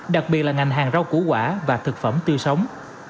đặc biệt là ngành hàng rau củ quả và thực phẩm tươi sống